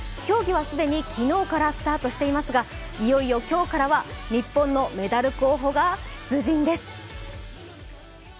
競技は既に昨日からスタートしていますがいよいよ今日からは日本のメダル候補が出陣です。